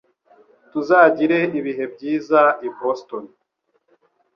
Tuzagira ibihe byiza i Boston.